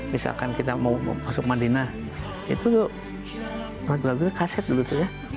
misalkan kita mau masuk madinah itu tuh lagu lagunya kaset dulu tuh ya